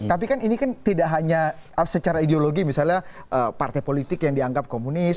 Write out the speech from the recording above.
tapi kan ini kan tidak hanya secara ideologi misalnya partai politik yang dianggap komunis